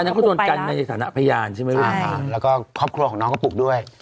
อันนั้นก็ต้นกันในฐานะพยานใช่ไหมครับใช่ค่ะแล้วก็ครอบครัวของน้องก็ปลุกด้วย